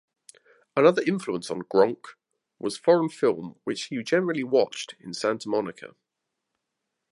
Another influence on Gronk was foreign film which he generally watched in Santa Monica.